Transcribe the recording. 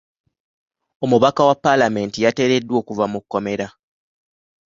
Omubaka wa paalamenti yateereddwa okuva mu kkomera.